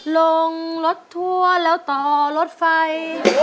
ลงรถทัวร์แล้วต่อรถไฟ